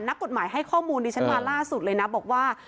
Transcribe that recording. นักกฎหมายให้ข้อมูลดิฉันมาล่าสุดเลยนะบอกว่า